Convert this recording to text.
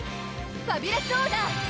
ファビュラスオーダー！